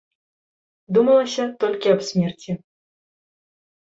Думалася толькі аб смерці.